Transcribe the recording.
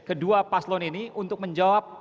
kedua paslon ini untuk menjawab